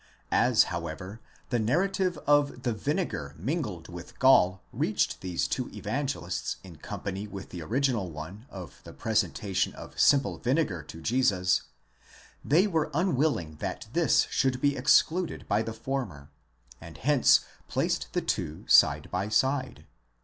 As however the narrative of the vinegar mingled with gall reached these two Evangelists in company with the original one of the presentation of simple vinegar to Jesus ; they were unwilling that this should be excluded by the former, and hence placed the two side by side.